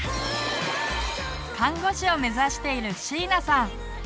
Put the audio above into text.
看護師を目指しているしいなさん。